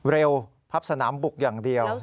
เร็วพับสนามบุกอย่างเดียว